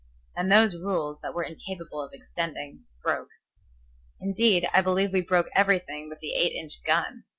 And those rules that were incapable of extending broke. Indeed, I believe we broke everything but the eight inch gun.